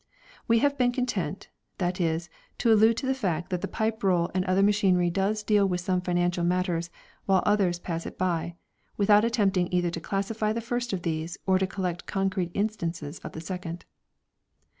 We have been content, that is, to allude to the fact that the Pipe Roll and other machinery does deal with some financial matters while others pass it by, without attempting either to classify the first of these, or to collect concrete instances of the second.